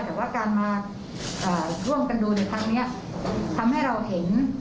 แต่ว่าการมาร่วมกันดูในครั้งนี้ทำให้เราเห็น